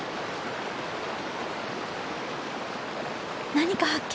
何か発見！